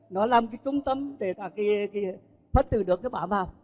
nó làm cái trung tâm để phấn tử được bả vào